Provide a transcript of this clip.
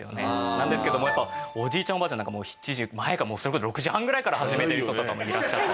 なんですけどもやっぱおじいちゃんおばあちゃんなんか７時前かもうそれこそ６時半ぐらいから始めてる人とかもいらっしゃったりとか。